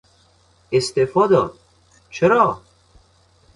استعفا داد! چرا؟